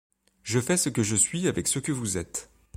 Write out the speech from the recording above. Je fais ce que je suis avec ce que vous êtes !